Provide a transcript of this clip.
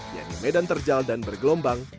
yaitu medan terjal dan bergelombang